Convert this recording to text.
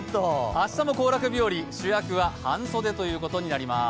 明日も行楽日和、主役は半袖ということになります。